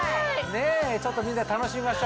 ちょっとみんなで楽しみましょうよ。